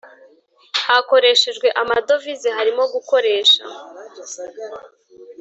Hakoreshejwe amadovize harimo gukoresha